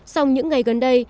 xong những ngày gần đây